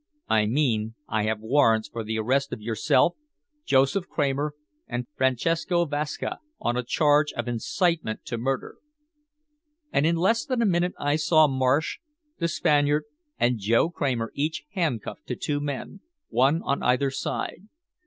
"I mean I have warrants for the arrest of yourself, Joseph Kramer and Francesco Vasca on a charge of incitement to murder." And in less than a minute I saw Marsh, the Spaniard and Joe Kramer each handcuffed to two men, one on either side.